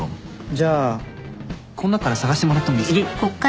じゃあこん中から探してもらってもいいっすか？